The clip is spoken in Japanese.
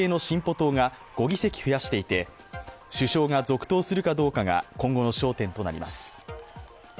党が５議席増やしていて首相が続投するかどうかが今後の焦点となります。